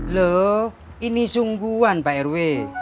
loh ini sungguhan pak rw